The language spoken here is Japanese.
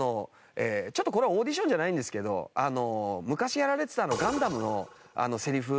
ちょっとこれはオーディションじゃないんですけど昔やられてた『ガンダム』のセリフ